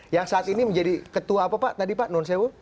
yang saat ini menjadi ketua apa pak tadi pak non sewo